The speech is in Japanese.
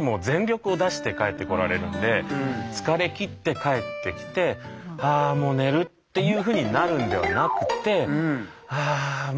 もう全力を出して帰ってこられるんで疲れきって帰ってきて「ああもう寝る」っていうふうになるんではなくてああ